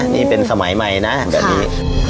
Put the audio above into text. นี่เป็นสมัยใหม่นะแบบนี้